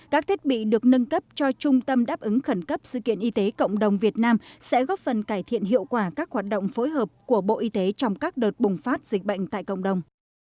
các thiết bị được nâng cấp cho trung tâm đáp ứng khẩn cấp sự kiện y tế cộng đồng việt nam sẽ góp phần cải thiện hiệu quả các hoạt động phối hợp của bộ y tế trong các đợt bùng phát dịch bệnh tại cộng đồng